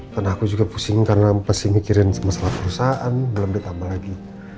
karena aku juga pusing karena mesti mikirin masalah perusahaan belum ditambah lagi